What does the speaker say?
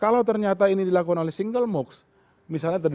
kalau ternyata ini dilakukan oleh single moocs misalnya ternyata tidak ada kompetisi